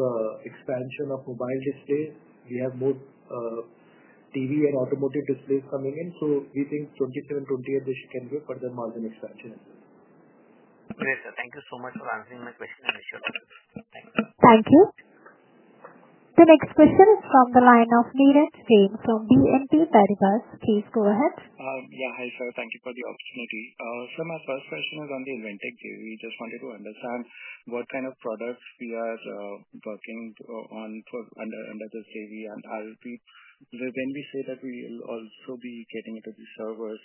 expansion of mobile displays. We have more TV and automotive displays coming in. We think 2027-2028, this can be a further margin expansion as well. Great. Thank you so much for answering my question, Abhishek. Thank you. Thank you. The next question is from the line of Nilesh Singh from BNP Paribas. Please go ahead. Yeah. Hi, sir. Thank you for the opportunity. Sir, my first question is on the Inventec JV. We just wanted to understand what kind of products we are working on under this JV and R&D. When we say that we will also be getting into the servers,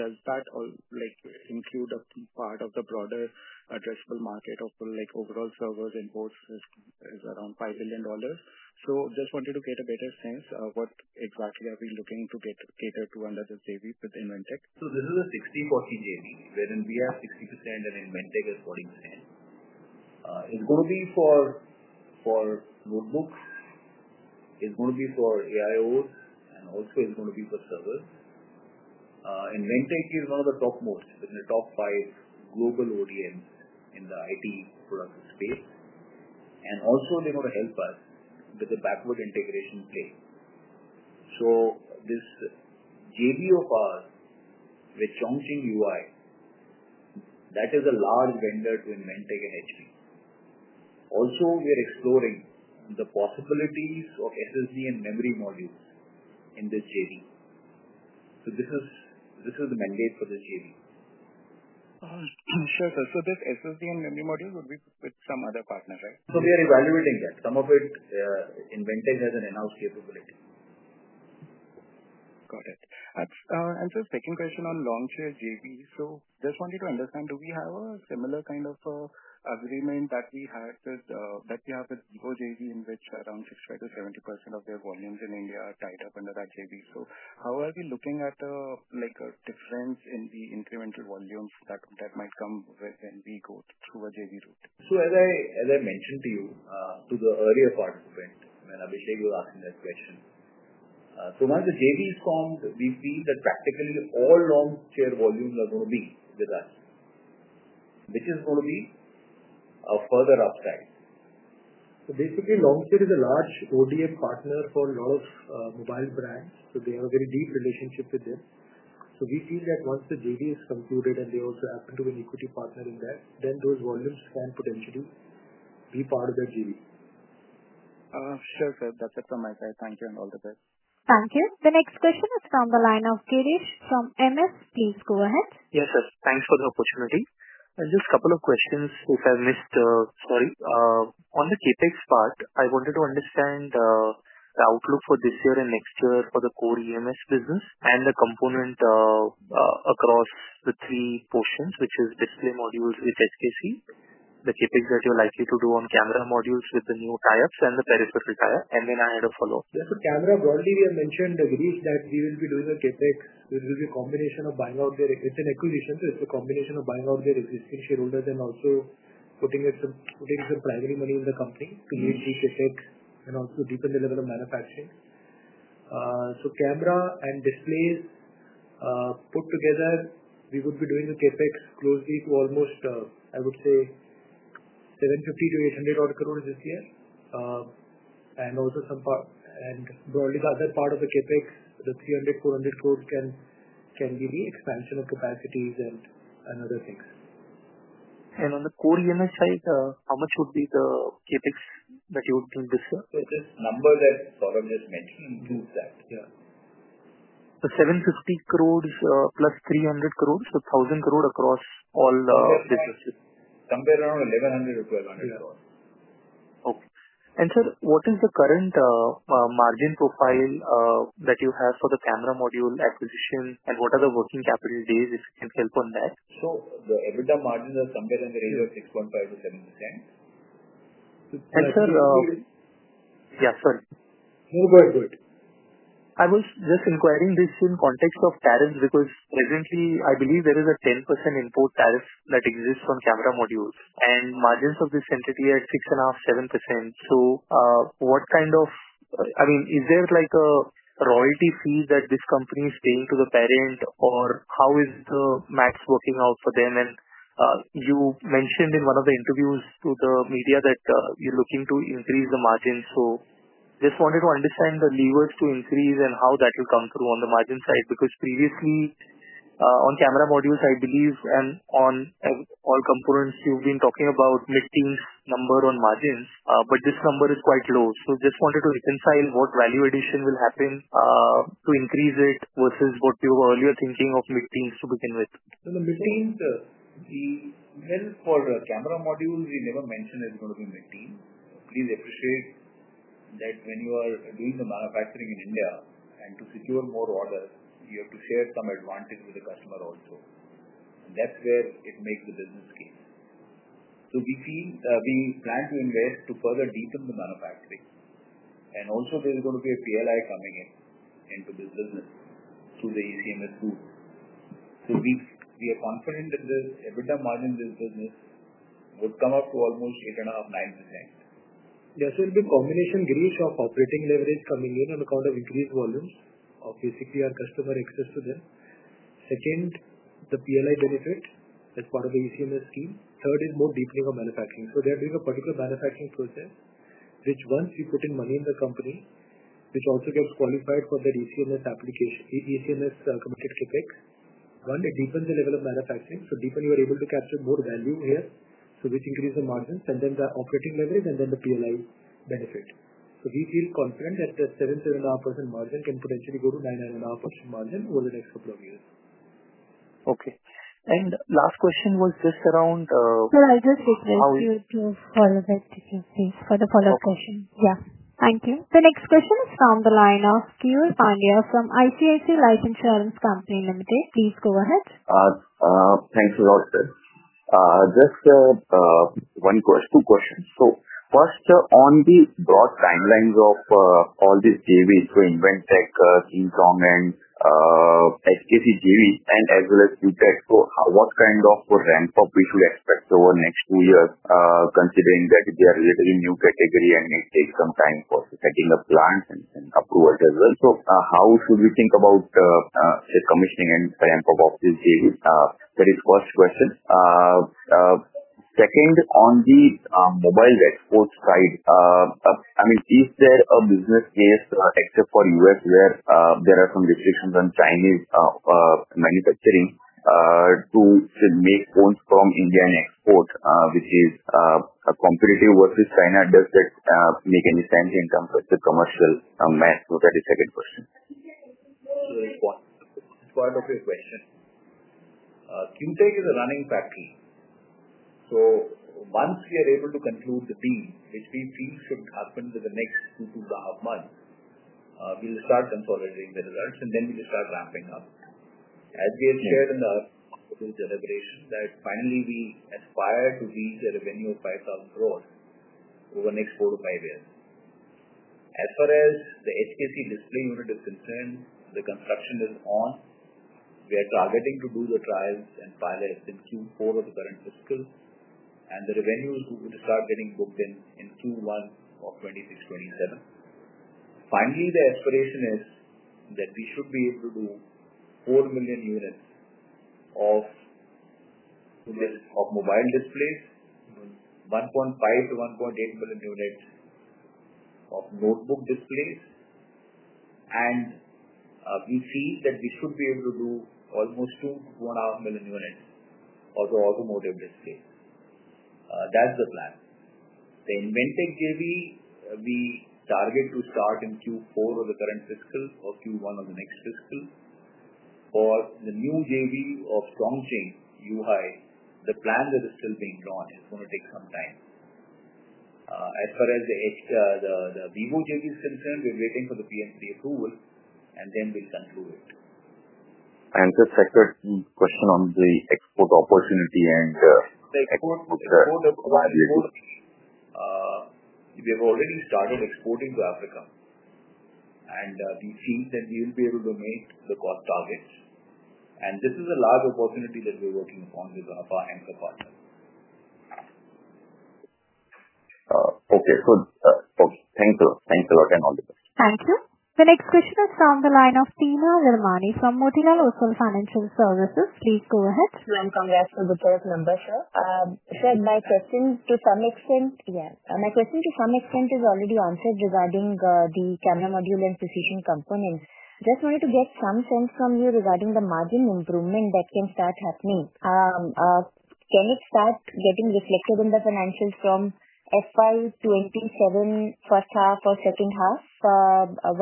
does that include a part of the broader addressable market of overall servers and boards is around $5 billion? Just wanted to get a better sense of what exactly are we looking to cater to under this JV with Inventec? This is a 60/40 JV wherein we have 60% and Inventec is 40%. It's going to be for notebooks. It's going to be for AIOs, and also it's going to be for servers. Inventec is one of the top most, within the top five global ODMs in the IT product space. Also, they're going to help us with the backward integration play. This JV of ours with Chongqing UI, that is a large vendor to Inventec and HP. Also, we are exploring the possibilities of SSD and memory modules in this JV. This is the mandate for this JV. Sure, sir. So this SSD and memory module would be with some other partners, right? We are evaluating that. Some of it, Inventec has an in-house capability. Got it. And sir, second question on Longcheer JV. So just wanted to understand, do we have a similar kind of agreement that we have with Depot JV in which around 65%-70% of their volumes in India are tied up under that JV? So how are we looking at a difference in the incremental volumes that might come when we go through a JV route? As I mentioned to you, to the earlier part of the event, when Abhishek was asking that question. Once the JV is formed, we feel that practically all launch year volumes are going to be with us, which is going to be a further upside. Basically, Longcheer is a large ODM partner for a lot of mobile brands. They have a very deep relationship with them. We feel that once the JV is concluded and they also happen to be an equity partner in that, then those volumes can potentially be part of that JV. Sure, sir. That's it from my side. Thank you and all the best. Thank you. The next question is from the line of Girish from MS. Please go ahead. Yes, sir. Thanks for the opportunity. Just a couple of questions if I missed the sorry. On the CapEx part, I wanted to understand the outlook for this year and next year for the core EMS business and the component. Across the three portions, which is display modules with SKC, the CapEx that you're likely to do on camera modules with the new tie-ups and the peripheral tie. I had a follow-up. Yeah. So camera, broadly, we have mentioned, Girish, that we will be doing a CapEx. It will be a combination of buying out their—it's an acquisition, so it's a combination of buying out their existing shareholders and also putting some primary money in the company to lead the CapEx and also deepen the level of manufacturing. So camera and displays. Put together, we would be doing the CapEx closely to almost, I would say, 750 crore-800 crore this year. And also some. And broadly, the other part of the CapEx, the 300 crore-400 crore, can be the expansion of capacities and other things. On the core EMS side, how much would be the CapEx that you would think this year? This number that Saurabh just mentioned includes that. Yeah. 750 crore plus 300 crore, so 1,000 crore across all businesses. Somewhere around 1,100-1,200 crore. Okay. Sir, what is the current margin profile that you have for the camera module acquisition, and what are the working capital days if you can help on that? The EBITDA margins are somewhere in the range of 6.5%-7%. And sir. We'll be. Yeah, sorry. No, go ahead. Go ahead. I was just inquiring this in context of tariffs because presently, I believe there is a 10% import tariff that exists on camera modules. And margins of this entity are 6.5%-7%. So what kind of, I mean, is there a royalty fee that this company is paying to the parent, or how is the math working out for them? You mentioned in one of the interviews to the media that you're looking to increase the margin. Just wanted to understand the levers to increase and how that will come through on the margin side because previously, on camera modules, I believe, and on all components, you've been talking about mid-teens number on margins, but this number is quite low. Just wanted to reconcile what value addition will happen to increase it versus what you were earlier thinking of mid-teens to begin with. The mid-teens, the event for camera modules we never mentioned is going to be mid-teens. Please appreciate that when you are doing the manufacturing in India and to secure more orders, you have to share some advantage with the customer also. That is where it makes the business case. We plan to invest to further deepen the manufacturing. Also, there is going to be a PLI coming into this business through the ECMS booth. We are confident that the EBITDA margin in this business would come up to almost 8.5%-9%. Yeah. It'll be a combination, Girish, of operating leverage coming in on account of increased volumes of basically our customer access to them. Second, the PLI benefit as part of the ECMS scheme. Third is more deepening of manufacturing. They're doing a particular manufacturing process, which once we put in money in the company, which also gets qualified for that ECMS application, ECMS committed CapEx. One, it deepens the level of manufacturing. Deeper, you are able to capture more value here, which increases the margins. Then the operating leverage and then the PLI benefit. We feel confident that the 7%-7.5% margin can potentially go to 9%-9.5% margin over the next couple of years. Okay. Last question was just around. Sir, I just request you to follow that, if you please, for the follow-up question. Sure. Yeah. Thank you. The next question is from the line of Keyur Pandya from ICICI Life Insurance Company Limited. Please go ahead. Thanks a lot, sir. Just two questions. First, on the broad timelines of all these JVs, so Inventec, King Kong, and SKC JV, as well as Duplex, what kind of ramp-up should we expect over the next two years, considering that they are a relatively new category and may take some time for setting up plans and approvals as well? How should we think about the commissioning and ramp-up of this JV? That is the first question. Second, on the mobile export side, I mean, is there a business case, except for the U.S., where there are some restrictions on Chinese manufacturing, to make phones from India and export, which is competitive versus China? Does that make any sense in terms of the commercial math? That is the second question. Part of your question, QTech is a running factory. Once we are able to conclude the deal, which we feel should happen within the next two to two and a half months, we'll start consolidating the results, and then we'll start ramping up. As we have shared in our deliberation, finally, we aspire to reach a revenue of 5,000 crore over the next four to five years. As far as the HKC display unit is concerned, the construction is on. We are targeting to do the trials and pilots in Q4 of the current fiscal, and the revenues will start getting booked in Q1 of 2026-2027. Finally, the aspiration is that we should be able to do 4 million units of mobile displays, 1.5 million-1.8 million units of notebook displays, and we feel that we should be able to do almost 1.5 million-2 million units of the automotive displays. That's the plan. The Inventec JV, we target to start in Q4 of the current fiscal or Q1 of the next fiscal. For the new JV of Chongqing UI, the plan that is still being drawn is going to take some time. As far as the Vivo JV is concerned, we're waiting for the PM3 approval, and then we'll conclude it. Just a second question on the export opportunity. The export opportunity. We have already started exporting to Africa. We feel that we will be able to meet the cost targets. This is a large opportunity that we're working upon with our anchor partners. Okay. Thank you. Thanks a lot, and all the best. Thank you. The next question is from the line of Teena Virmani from Motilal Oswal Financial Services. Please go ahead. Slim, congrats for the third member, sir. Sir, my question to some extent, yeah, my question to some extent is already answered regarding the camera module and precision components. Just wanted to get some sense from you regarding the margin improvement that can start happening. Can it start getting reflected in the financials from FY 2027, first half or second half?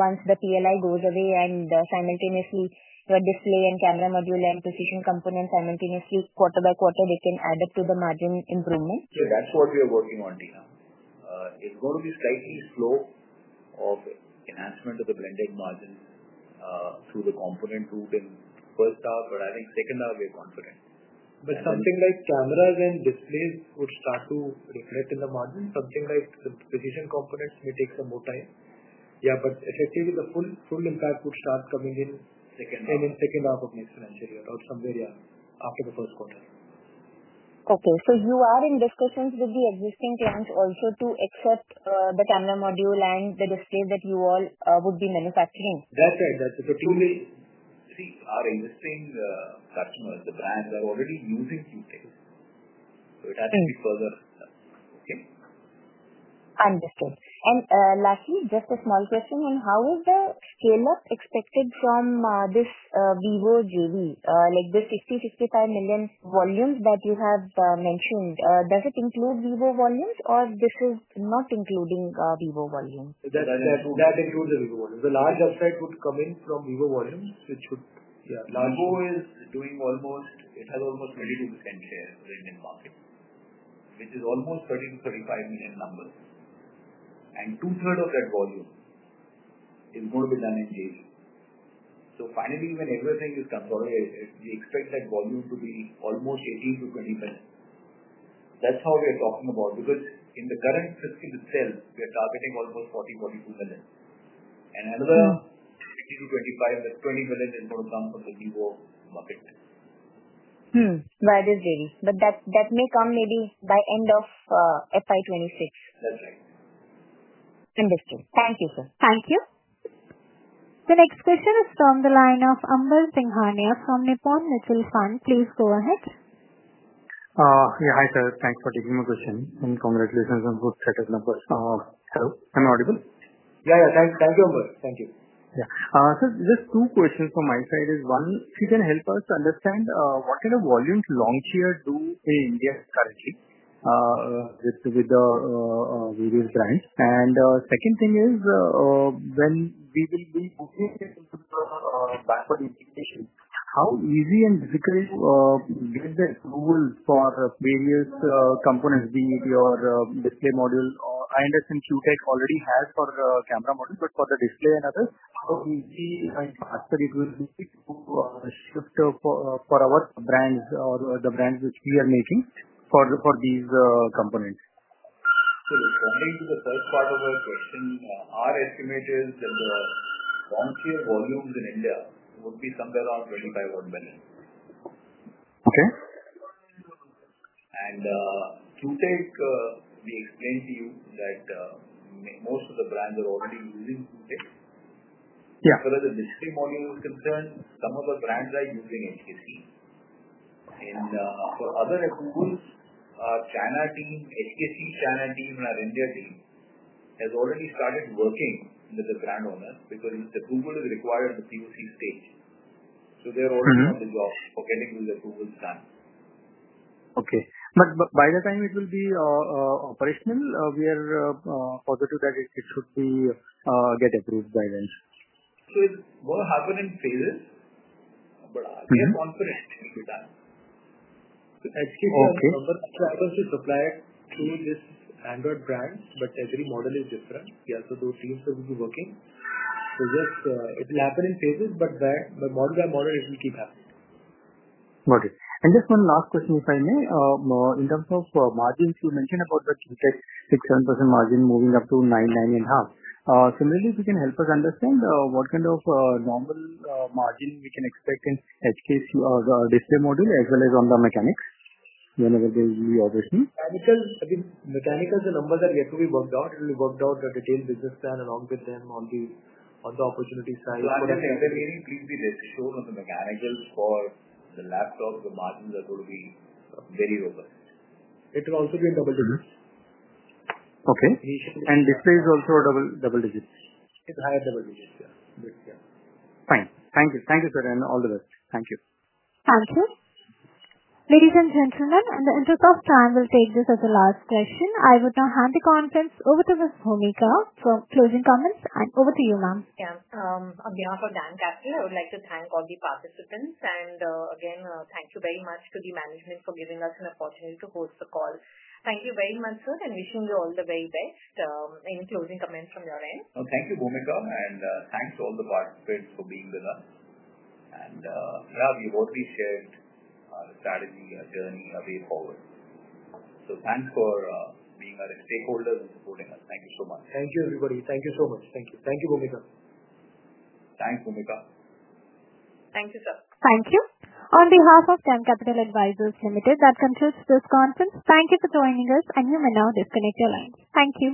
Once the PLI goes away and simultaneously your display and camera module and precision components simultaneously, quarter by quarter, they can add up to the margin improvement? Yeah. That's what we are working on, Teena. It's going to be slightly slow of enhancement of the blended margin through the component route in first half, but I think second half, we are confident. Something like cameras and displays would start to reflect in the margin. Something like the precision components may take some more time. Yeah, but effectively, the full impact would start coming in. Second half. In second half of next financial year or somewhere, yeah, after the first quarter. Okay. So you are in discussions with the existing clients also to accept the camera module and the display that you all would be manufacturing? That's right. That's right. Team will see our existing customers, the brands are already using QTech. It has to be further, okay. Understood. Lastly, just a small question on how is the scale-up expected from this Vivo JV, like the 60 million-65 million volumes that you have mentioned? Does it include Vivo volumes, or this is not including Vivo volumes? That includes the Vivo volumes. The large upside would come in from Vivo volumes, which would, yeah, large. Vivo is doing almost, it has almost 22% share in the market, which is almost 30 million-35 million numbers. And two-thirds of that volume is going to be done in JV. Finally, when everything is consolidated, we expect that volume to be almost 18 million-20 million. That's how we are talking about because in the current fiscal itself, we are targeting almost 40 million-42 million. Another 18 million-25 million, that 20 million is going to come from the Vivo market. Where is JV? That may come maybe by end of FY26. That's right. Understood. Thank you, sir. Thank you. The next question is from the line of Amber Singhania from Nippon Mutual Fund. Please go ahead. Yeah. Hi, sir. Thanks for taking my question. And congratulations on both set of numbers. Hello. Am I audible? Yeah, yeah. Thank you, Amber. Thank you. Yeah. Sir, just two questions from my side. One, if you can help us to understand what kind of volumes Longcheer do in India currently with the various brands. Second thing is, when we will be booking into the backup implication, how easy and difficult is it to get the approval for various components, be it your display module. I understand QTech already has for camera modules, but for the display and others, how easy and fast will it be to shift for our brands or the brands which we are making for these components? Responding to the first part of your question, our estimate is that the Longcheer volumes in India would be somewhere around 25 crore million. Okay. QTech, we explained to you that. Most of the brands are already using QTech. Yeah. As far as the display module is concerned, some of the brands are using HKC. For other approvals, our China team, HKC China team, and our India team has already started working with the brand owners because the approval is required at the POC stage. They are already on the job for getting those approvals done. Okay. By the time it will be operational, we are positive that it should be get approved by then. It's going to happen in phases. But we are confident it will be done. Okay. HKC Amber actually supplied to this Android brand, but every model is different. We also do teams that will be working. It will happen in phases, but by model by model, it will keep happening. Got it. Just one last question, if I may. In terms of margins, you mentioned about the QTech 6%-7% margin moving up to 9%-9.5%. Similarly, if you can help us understand what kind of normal margin we can expect in HKC display module as well as on the mechanics whenever they will be operational? Mechanical, I mean, mechanical, the numbers are yet to be worked out. We'll work out the retail business plan along with them on the opportunity side. Yeah. I think they may be, please be sure on the mechanical for the laptops, the margins are going to be very robust. It will also be in double digits. Okay. And display is also double digits? It's higher double digits, yeah. Fine. Thank you. Thank you, sir. All the best. Thank you. Thank you. Ladies and gentlemen, in the interest of time, we'll take this as the last question. I would now hand the conference over to Ms. Bhoomika Nair for closing comments. I'm over to you, ma'am. Yeah. On behalf of DAM Capital, I would like to thank all the participants. Thank you very much to the management for giving us an opportunity to host the call. Thank you very much, sir, and wishing you all the very best in closing comments from your end. Thank you, Bhoomika, and thanks to all the participants for being with us. Yeah, we have already shared our strategy, our journey, our way forward. Thanks for being our stakeholders and supporting us. Thank you so much. Thank you, everybody. Thank you so much. Thank you. Thank you, Bhoomika. Thanks, Boomika. Thank you, sir. Thank you. On behalf of DAM Capital Advisors Limited, that concludes this conference. Thank you for joining us, and you may now disconnect your lines. Thank you.